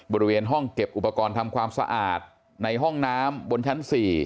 บริเวณห้องเก็บอุปกรณ์ทำความสะอาดในห้องน้ำบนชั้น๔